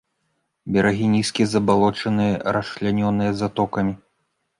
Берагі нізкія, забалочаныя, расчлянёныя затокамі.